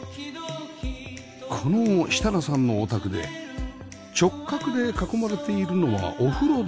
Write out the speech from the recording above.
この設楽さんのお宅で直角で囲まれているのはお風呂だけでした